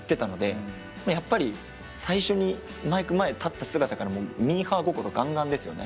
やっぱり最初にマイク前立った姿からミーハー心がんがんですよね。